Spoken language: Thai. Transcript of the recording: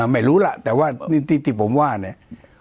ไม่รู้ล่ะแต่ว่านี่ที่ผมว่าเนี่ย